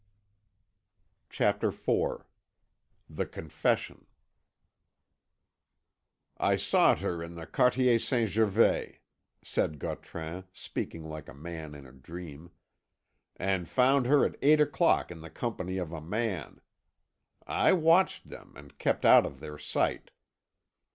CHAPTER IV THE CONFESSION "I sought her in the Quartier St. Gervais," said I Gautran, speaking like a man in a dream, "and found her at eight o'clock in the company of a man. I watched them, and kept out of their sight.